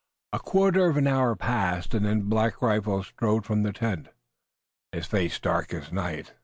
A quarter of an hour passed, and then Black Rifle strode from the tent, his face dark as night.